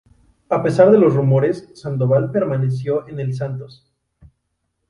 A pesar de los rumores, Sandoval permaneció en el Santos.